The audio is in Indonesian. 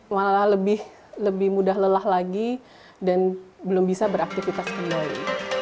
malah lebih mudah lelah lagi dan belum bisa beraktivitas kembali